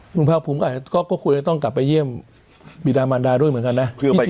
คุณภาคมือไทยก็ควรต้องกลับไปเยี่ยมบิราณมารดาด้วยเหมือนกันนะ